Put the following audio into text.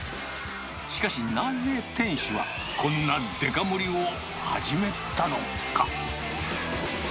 しかし、なぜ店主は、こんなデカ盛りを始めたのか。